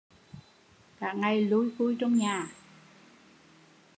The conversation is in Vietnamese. Cả ngày lui cui trong nhà